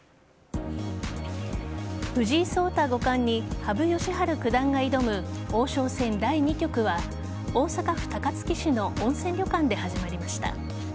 藤井聡太五冠に羽生善治九段が挑む王将戦第２局は大阪府高槻市の温泉旅館で始まりました。